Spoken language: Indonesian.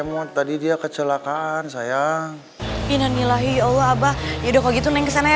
ngomong tadi dia kecelakaan sayang inanilahi allah abah ya udah kalau gitu neng kesana ya